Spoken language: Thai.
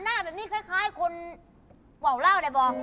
หน้าแบบนี้คล้ายคนเบาเล่าได้บอก